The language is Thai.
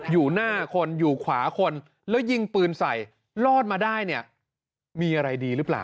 อยู่หน้าคนอยู่ขวาคนแล้วยิงปืนใส่รอดมาได้เนี่ยมีอะไรดีหรือเปล่า